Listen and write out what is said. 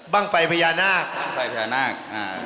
บ้างไฟพญานาค